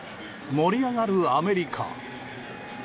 盛り上がるアメリカ。